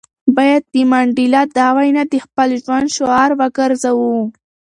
باید د منډېلا دا وینا د خپل ژوند شعار وګرځوو.